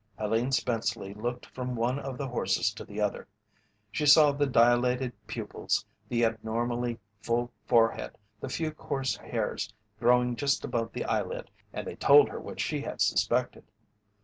Helene Spenceley looked from one of the horses to the other. She saw the dilated pupils, the abnormally full forehead, the few coarse hairs growing just above the eyelid, and they told her what she had suspected.